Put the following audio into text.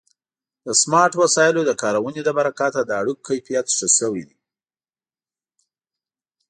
د سمارټ وسایلو د کارونې له برکته د اړیکو کیفیت ښه شوی دی.